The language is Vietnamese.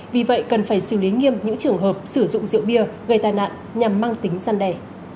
vì vậy cần phải xử lý nghiêm những trường hợp sử dụng rượu bia gây tai nạn nhằm mang tính gian đe